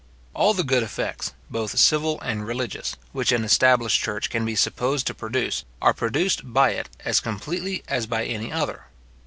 All the good effects, both civil and religious, which an established church can be supposed to produce, are produced by it as completely as by any other.